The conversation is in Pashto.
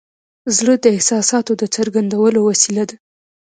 زړه د احساساتو د څرګندولو وسیله ده.